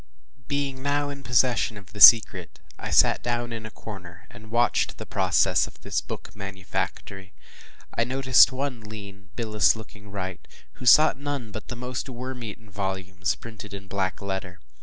Being now in possession of the secret, I sat down in a corner, and watched the process of this book manufactory. I noticed one lean, bilious looking wight, who sought none but the most worm eaten volumes, printed in black letter.